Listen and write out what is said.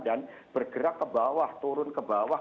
dan bergerak ke bawah turun ke bawah